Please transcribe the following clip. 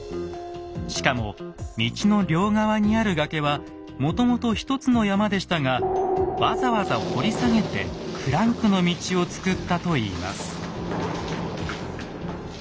しかも道の両側にある崖はもともと一つの山でしたがわざわざ掘り下げてクランクの道をつくったといいます。